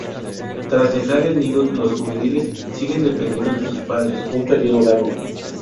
Tras dejar el nido los juveniles siguen dependiendo de sus padres un periodo largo.